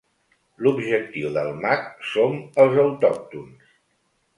L'objectiu del mag som els autòctons.